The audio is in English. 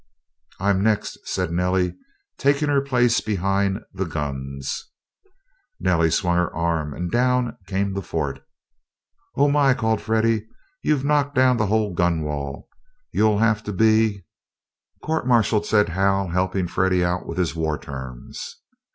"I'm next," said Nellie, taking her place behind "the guns." Nellie swung her arm and down came the fort! "Oh my!" called Freddie, "you've knocked down the whole gun wall. You'll have to be " "Court martialed," said Hal, helping Freddie out with his war terms.